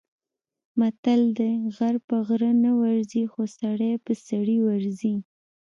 متل دی: غر په غره نه ورځي، خو سړی په سړي ورځي.